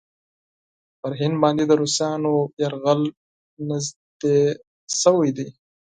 پر هند باندې د روسانو یرغل نېږدې شوی دی.